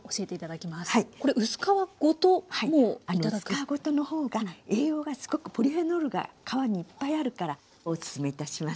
薄皮ごとの方が栄養がすごくポリフェノールが皮にいっぱいあるからおすすめいたします。